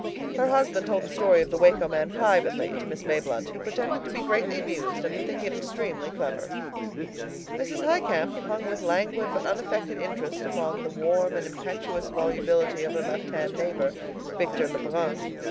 Her husband told the story of the Waco man privately to Miss Mayblunt, who pretended to be greatly amused and to think it extremely clever. Mrs. Highcamp hung with languid but unaffected interest upon the warm and impetuous volubility of her left hand neighbor, Victor Lebrun.